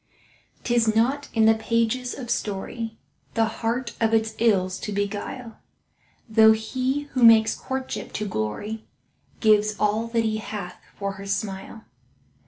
'Tis not in the pages of story The heart of its ills to beguile, Though he who makes courtship to glory Gives all that he hath for her smile.